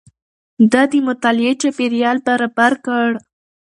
ده د مطالعې چاپېريال برابر کړ.